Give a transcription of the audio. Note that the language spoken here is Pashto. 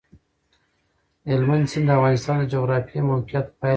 هلمند سیند د افغانستان د جغرافیایي موقیعت پایله ده.